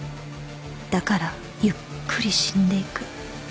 「だからゆっくり死んでいく」